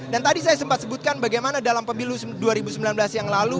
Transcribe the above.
tadi saya sempat sebutkan bagaimana dalam pemilu dua ribu sembilan belas yang lalu